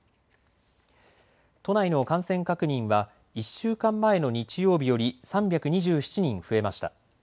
都内の感染確認は１週間前の日曜日より３２７人増えました。